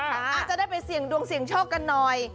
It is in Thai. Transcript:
อาจจะได้ไปดวงเสียงโชคกันหน่อย